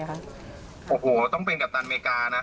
โอ้โหต้องเป็นกัปตันอเมริกานะ